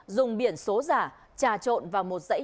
dùng biển số giả trà trộn vào một giấy